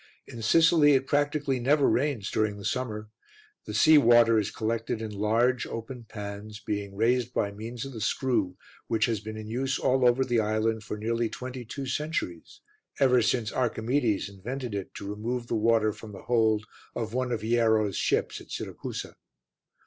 In Sicily it practically never rains during the summer; the sea water is collected in large, open pans, being raised by means of the screw which has been in use all over the island for nearly twenty two centuries, ever since Archimedes invented it to remove the water from the hold of one of Hiero's ships at Siracusa.